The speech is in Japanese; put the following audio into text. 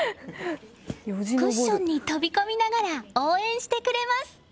クッションに飛び込みながら応援してくれます。